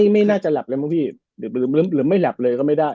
ไม่น่าจะกำลังเลยหรือไม่ขาดก็ไม่ได้